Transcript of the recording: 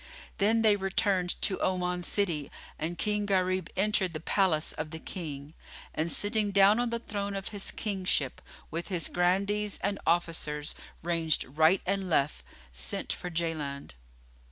Then they returned to Oman city, and King Gharib entered the palace of the King and, sitting down on the throne of his kingship, with his Grandees and Officers ranged right and left, sent for Jaland.